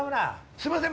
すいません